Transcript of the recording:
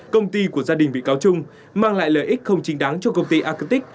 công ty của gia đình bị cáo trung mang lại lợi ích không chính đáng cho công ty acomic